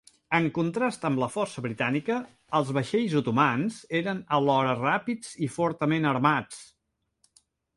En contrast amb la força britànica, els vaixells otomans eren alhora ràpids i fortament armats.